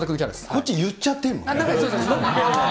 こっちいっちゃってるもんね。